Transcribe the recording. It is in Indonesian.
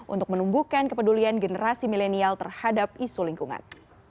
untuk menumbuhkan kepedulian generasi milenial terhadap isu lingkungan